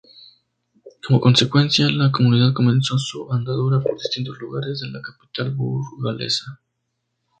Como consecuencia, la comunidad comenzó su andadura por distintos lugares de la capital burgalesa.